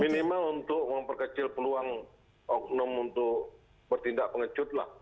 minimal untuk memperkecil peluang oknum untuk bertindak pengecut lah